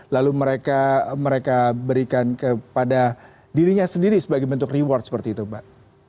lalu mereka berikan kepada dirinya sendiri sebagai bentuk reward seperti itu mbak